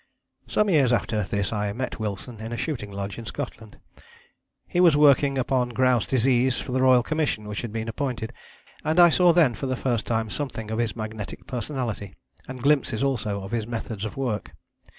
Some years after this I met Wilson in a shooting lodge in Scotland. He was working upon grouse disease for the Royal Commission which had been appointed, and I saw then for the first time something of his magnetic personality and glimpses also of his methods of work.